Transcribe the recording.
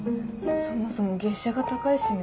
そもそも月謝が高いしね。